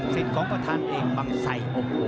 สิทธิ์ของประธานติมบังไส